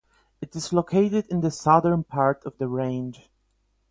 It is located in the southern part of the range.